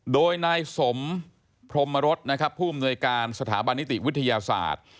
โดยนายสมพรมรสนะครับผู้อำนวยการสถาบันนิติวิทยาศาสตร์